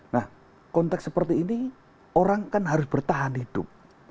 nah konteks seperti ini orang kan harus bertahan hidup